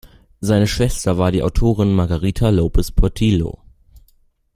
Seine Schwester war die Autorin Margarita López Portillo.